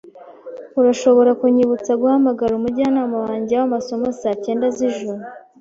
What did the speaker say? Urashobora kunyibutsa guhamagara umujyanama wanjye wamasomo saa cyenda zijoro?